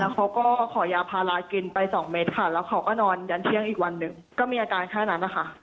เขาก็ขอยาพารากินไป๒เม็ดค่ะแล้วเขาก็นอนยันเที่ยงอีกวันหนึ่งก็มีอาการแค่นั้นนะคะ